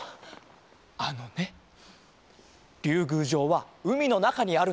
あのねりゅうぐうじょうはうみのなかにあるんだ。